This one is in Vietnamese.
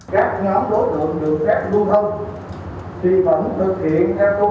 các ngã đối tượng được các lưu thông